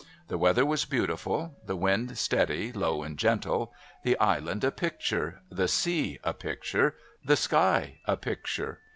The weather was beautiful ; the wind steady, low, and gentle ; the island, a picture ; the sea, a picture ; the sky, a picture.